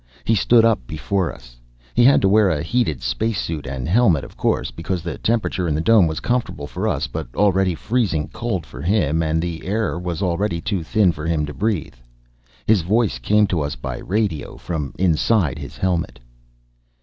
He stood up before us. He had to wear a heated space suit and helmet, of course, because the temperature in the dome was comfortable for us but already freezing cold for him and the air was already too thin for him to breathe. His voice came to us by radio from inside his helmet.